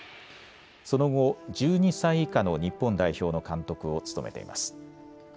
その後、１２歳以下の日本代表の監督を務めています。